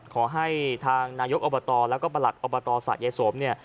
ขอให้ทางนายกอบบัตรและประหลักอบบัตรศักดิ์ยายสม